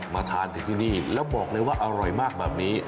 มาทานถึงที่นี่แล้วบอกเลยว่าอร่อยมากแบบนี้